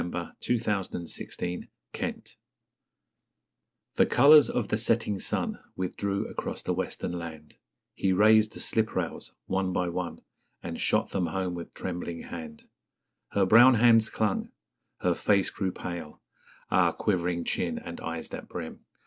The Sliprails and the Spur The colours of the setting sun Withdrew across the Western land He raised the sliprails, one by one, And shot them home with trembling hand; Her brown hands clung her face grew pale Ah! quivering chin and eyes that brim!